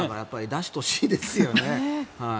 出してほしいですよね。